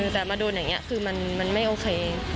แต่มาโดนอย่างนี้คือมันไม่โอเค